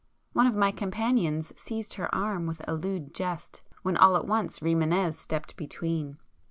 One of my companions seized her by the arm with a lewd jest, when all at once Rimânez stepped between.